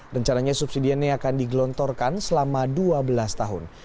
rencananya subsidi ini akan digelontorkan selama dua belas tahun